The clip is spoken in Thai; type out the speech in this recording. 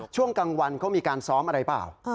ช่วงกลางวันเขามีการซ้อมอะไรเปล่า